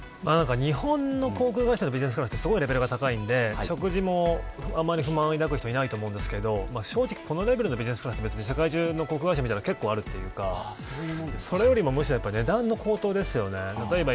日本の航空会社のビジネスクラスってすごいレベルが高いので食事もあんまり不満を抱く人はいないと思うんですけど、正直このクラスのビジネスクラスは世界中の航空会社を見れば結構あるというか、それよりもむしろ値段のことですよね。